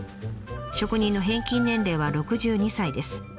職人の平均年齢は６２歳です。